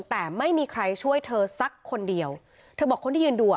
แต่ไม่มีใครช่วยเธอสักคนเดียวเธอบอกคนที่ยืนดูอ่ะ